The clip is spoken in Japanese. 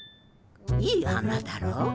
いいあなだろ？